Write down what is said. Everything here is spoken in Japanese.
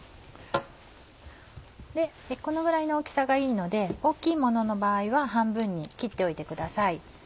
このぐらいの大きさがいいので大きいものの場合は半分に切っておいてください。